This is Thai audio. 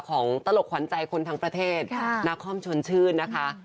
ตลกขวัญใจคนทั้งประเทศนาคอมชนชื่นนะคะ